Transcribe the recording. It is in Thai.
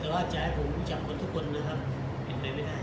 แต่ว่าจะให้ผมรู้จักคนทุกคนนะครับเป็นไปไม่ได้